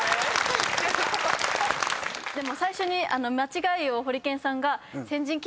でも最初に。